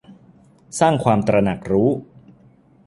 สร้างความตระหนักรู้